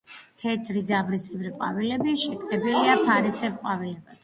თეთრი ძაბრისებრი ყვავილები შეკრებილია ფარისებრ ყვავილებად.